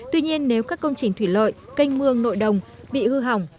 tuy nhiên nếu các công trình thủy lợi canh mương nội đồng bị hư hỏng